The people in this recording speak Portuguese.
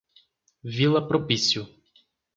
Vila Propício